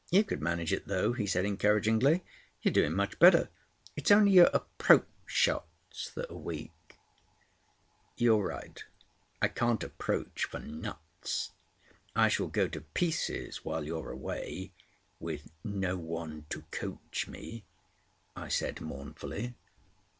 You could manage it, though," he said encouragingly. "You're doing much better. It's only your approach shots that are weak." "You're right. I can't approach for nuts! I shall go to pieces while you're away—with no one to coach me," I said mournfully.